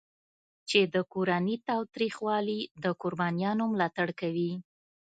چې د کورني تاوتریخوالي د قربانیانو ملاتړ کوي.